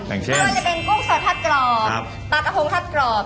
แหล่งเช่นกุ้งสดทดกรอบปัตตะโพงทดกรอบ